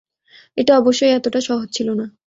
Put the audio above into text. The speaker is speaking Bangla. এটা অবশ্যই এতটা সহজ ছিল না।